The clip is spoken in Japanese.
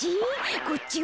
こっちは？